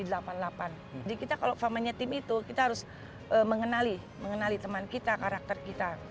jadi kita kalau farmanya tim itu kita harus mengenali mengenali teman kita karakter kita